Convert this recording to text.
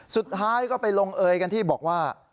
สุดท้ายก็ไปลงเอยกันที่บอกว่า